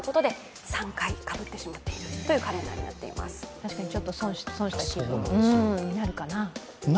確かにちょっと損した気分になるかな。